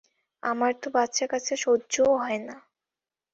আমার তো বাচ্চা-কাচ্চা সহ্যও হয় না।